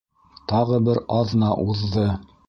Тағы бер аҙна уҙҙы.